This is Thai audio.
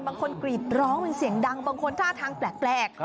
กรีดร้องเป็นเสียงดังบางคนท่าทางแปลก